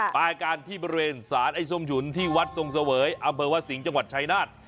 ไปกันที่บริเวณสารไอ้ส้มฉุนที่วัดทรงเสวยอำเภอวัดสิงห์จังหวัดชายนาฏ